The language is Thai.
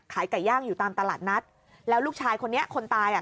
ไก่ย่างอยู่ตามตลาดนัดแล้วลูกชายคนนี้คนตายอ่ะ